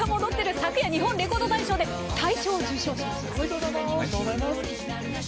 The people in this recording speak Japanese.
昨夜、日本レコード大賞で大賞を受賞しました。